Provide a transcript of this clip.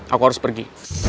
aku harus pergi